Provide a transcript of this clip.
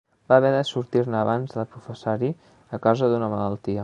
Va haver de sortir-ne abans de professar-hi, a causa d'una malaltia.